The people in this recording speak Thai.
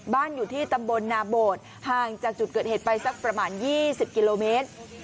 อยู่ที่ตำบลนาโบดห่างจากจุดเกิดเหตุไปสักประมาณ๒๐กิโลเมตร